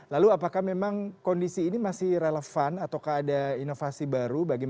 lalu apakah memang kondisi ini masih relevan ataukah ada inovasi baru bagaimana mengatasi covid sembilan belas berbarengan juga dengan dbd